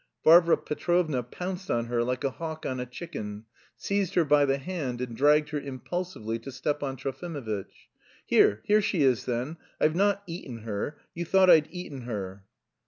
Varvara Petrovna pounced on her like a hawk on a chicken, seized her by the hand and dragged her impulsively to Stepan Trofimovitch. "Here, here she is, then. I've not eaten her. You thought I'd eaten her."